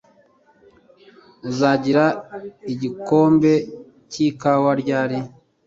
Uzagira igikombe cyi kawa ryari?